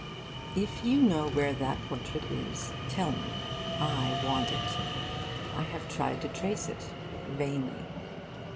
If you know where that portrait is, tell me. I want it. I have tried to trace it vainly.